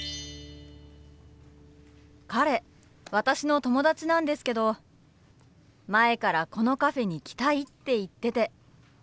彼私の友達なんですけど前からこのカフェに来たいって言ってて。